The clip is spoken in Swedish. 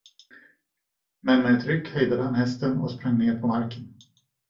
Men med ett ryck hejdade han hästen och sprang ned på marken.